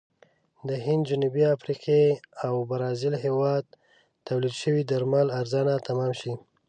د هند، جنوبي افریقې او برازیل هېواد تولید شوي درمل ارزانه تمام شي.